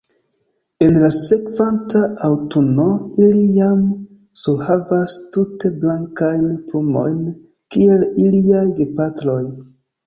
En la sekvanta aŭtuno ili jam surhavas tute blankajn plumojn kiel iliaj gepatroj.